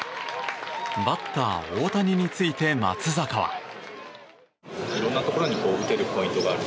バッター、大谷について松坂は。